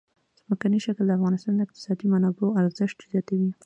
ځمکنی شکل د افغانستان د اقتصادي منابعو ارزښت زیاتوي.